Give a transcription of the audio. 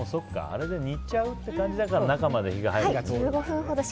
あれで煮ちゃうって感じだから中まで火が入るんだ。